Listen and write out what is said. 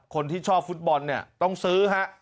คนที่ชอบฟุตบอลต้องซื้อฮะ